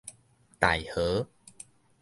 大和